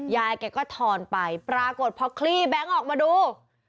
ยายแกก็ทอนไปปรากฏพอคลี่แบงค์ออกมาดู